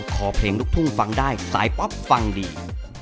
เพลงลูกทุ่งฟังได้สายปั๊บฟังดี